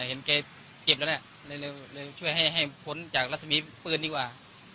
ช่วยเพื่อนจากซ่อนรัฐพริสระญีก็ดีกว่า